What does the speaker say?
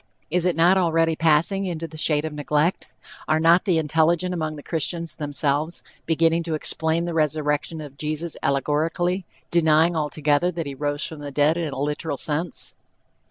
Is it not already passing into the shade of neglect? Are not the intelligent among the Christians themselves beginning to explain the resurrection of Jesus allegorically, denying altogether that he rose from the dead in a literal sense?